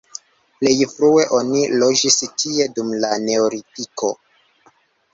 Plej frue oni loĝis tie dum la neolitiko.